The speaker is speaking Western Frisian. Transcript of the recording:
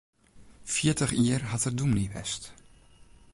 Fjirtich jier hat er dûmny west.